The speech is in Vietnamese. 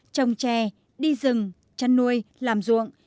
trồng trè đi rừng chăn nuôi làm ruộng